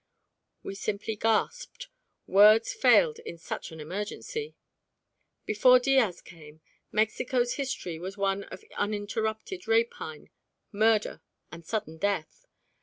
We simply gasped: words failed in such an emergency. Before Diaz came, Mexico's history was one of uninterrupted rapine, murder, and sudden death.